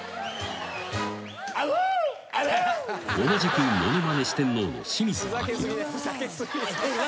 ［同じくものまね四天王の清水アキラ］